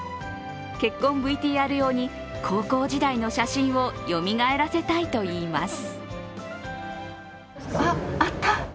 結婚ＶＴＲ用に高校時代の写真をよみがえらせたいといいます。